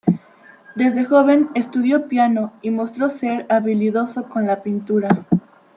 Desde joven estudió piano y mostró ser habilidoso con la pintura.